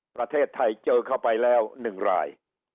ประเทศไทยเจอเข้าไปแล้ว๑ราย